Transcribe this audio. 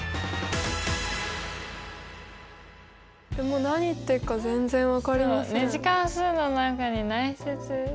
もう何言ってるか全然分かりません。